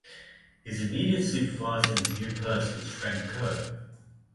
His immediate supervisor in his new post was Frank Coe.